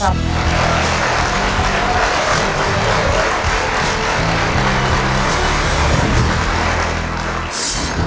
ขอบคุณครับ